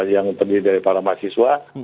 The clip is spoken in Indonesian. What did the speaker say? yang terdiri dari para mahasiswa